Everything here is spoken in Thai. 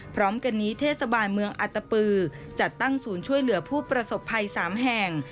พร้อมกันนี้เทศบาลเมืองอัตตปือจัดตั้งศูนย์ช่วยเหลือผู้ประสบภัย๓แห่ง